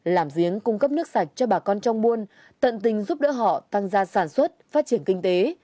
làm giếng cung cấp nước sạch cho bà con trong buôn tận tình giúp đỡ họ tăng gia sản xuất phát triển kinh tế